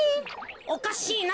おかしいな。